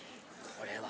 これは。